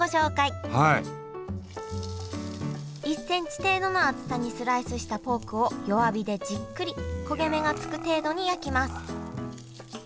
１センチ程度の厚さにスライスしたポークを弱火でじっくり焦げ目がつく程度に焼きます